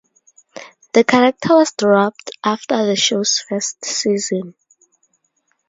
The character was dropped after the show's first season.